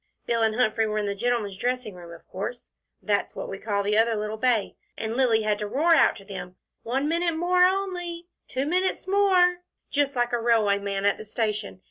Bill and Humphrey were in the gentlemen's dressing room, of course that's what we call the other little bay and Lilly had to roar out to them, 'one minute more only,' 'two minutes more,' just like a railway man at a station.